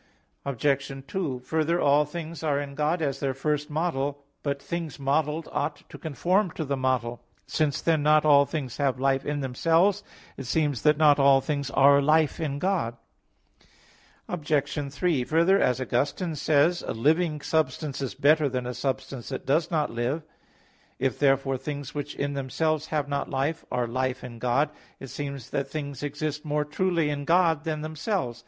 Obj. 2: Further, all things are in God as their first model. But things modelled ought to conform to the model. Since, then, not all things have life in themselves, it seems that not all things are life in God. Obj. 3: Further, as Augustine says (De Vera Relig. 29), a living substance is better than a substance that does not live. If, therefore, things which in themselves have not life, are life in God, it seems that things exist more truly in God than themselves.